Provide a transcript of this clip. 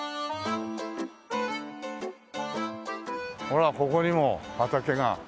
ほらここにも畑が。